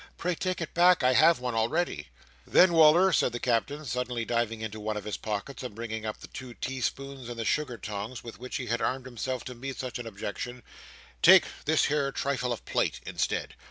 "Pray take it back. I have one already." "Then, Wal"r," said the Captain, suddenly diving into one of his pockets and bringing up the two teaspoons and the sugar tongs, with which he had armed himself to meet such an objection, "take this here trifle of plate, instead."